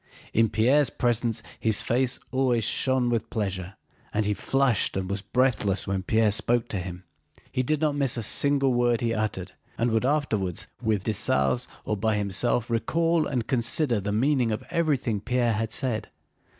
In Pierre's presence his face always shone with pleasure and he flushed and was breathless when Pierre spoke to him. He did not miss a single word he uttered, and would afterwards, with Dessalles or by himself, recall and reconsider the meaning of everything Pierre had said.